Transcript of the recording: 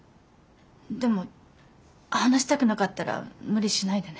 でも話したくなかったら無理しないでね。